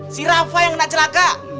si rafa yang kena celaka